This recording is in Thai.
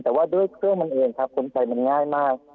แต่ว่าด้วยเครื่องมันเองครับคนไทยมันง่ายมาก